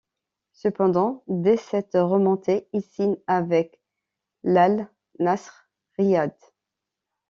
Cependant, dès cette remontée, il signe avec l'Al Nasr Riyad.